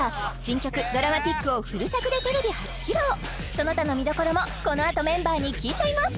その他の見どころもこのあとメンバーに聞いちゃいます！